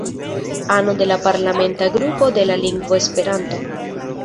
Ano de la Parlamenta Grupo de la Lingvo Esperanto.